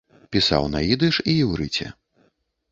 Пісаў на ідыш і іўрыце.